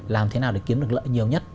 làm thế nào để kiếm được lợi nhiều nhất